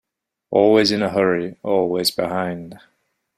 Always in a hurry, always behind.